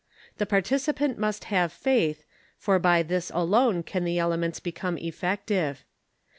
The participant must have faith, for by this alone can the elements become effective.